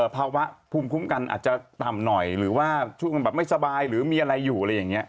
ภาวะภูมิคุ้มกันอาจจะต่ำหน่อยหรือว่าช่วงแบบไม่สบายหรือมีอะไรอยู่อะไรอย่างนี้